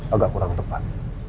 agak kurang tepat